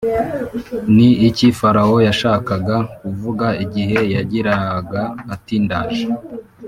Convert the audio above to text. Ni iki Farawo yashakaga kuvuga igihe yagiraga ati ndaje